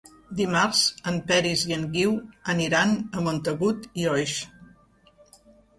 Dimarts en Peris i en Guiu aniran a Montagut i Oix.